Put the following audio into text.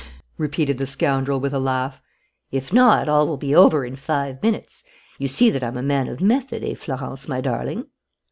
repeated the scoundrel, with a laugh. "If not, all will be over in five minutes. You see that I'm a man of method, eh, Florence, my darling?"